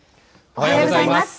おはようございます。